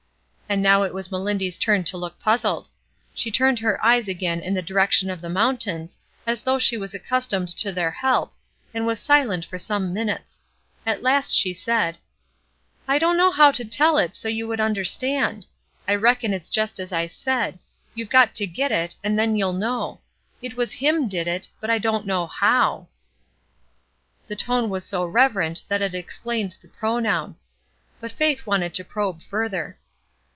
And now it was Melindy's turn to look puz zled. She turned her eyes again in the direction of the mountains as though she was accustomed to their help, and was silent for some minutes. At last she said :— "I dunno how to tell it so you would under stand. I reckon it's jest as I said; youVe got to git it, and then you'll know. It was Him did it, but I dunno how:' The tone was so reverent that it explained the pronoun; but Faith wanted to probe further.